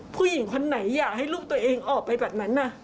ผู้หญิงคนไหนอยากให้ลูกตัวเองออกไปแบบนั้น